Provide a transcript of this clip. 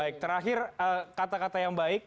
baik terakhir kata kata yang baik